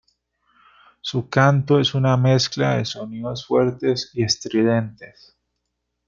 Su canto es una mezcla de sonidos fuertes y estridentes.